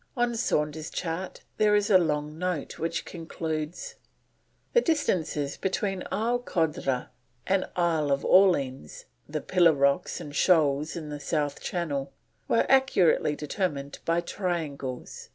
On Saunders' chart there is a long note which concludes: "The distances between Isle Coudre and Isle of Orleans, the Pillar Rocks and Shoals in the south channel were accurately determined by triangles.